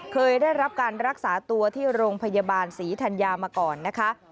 เคยได้รับการรักษาตัวที่โรงพยาบาลศรีธัญญามาก่อนนะคะ